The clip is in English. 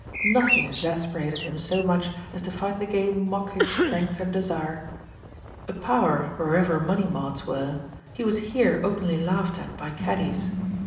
Nothing exasperated him so much as to find the game mock his strength and desire. A power wherever money marts were, he was here openly laughed at by caddies.